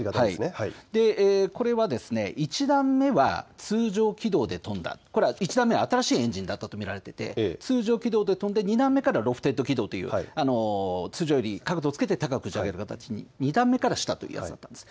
これは１段目は通常軌道で飛んだ、１段目は新しいエンジンだったと見られていて通常軌道で飛んで２段目からロフテッド軌道という通常より角度をつけて高く打ち上げる形に２段目からしたということなんです。